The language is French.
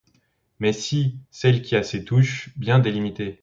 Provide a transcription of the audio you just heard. Mais si : celle qui a ses touches bien délimitées.